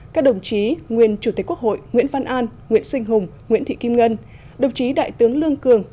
các đồng chí nguyên chủ tịch quốc hội nguyễn văn an nguyễn sinh hùng nguyễn thị kim ngân đồng chí đại tướng lương cường